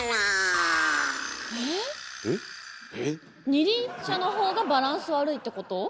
二輪車のほうがバランス悪いってこと？